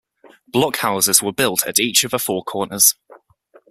Blockhouses were built at each of the four corners.